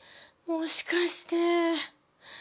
もしかして。